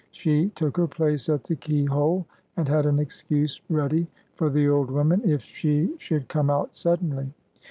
She took her place at the keyhole, and had an excuse ready for the old woman, if she should come out suddenly.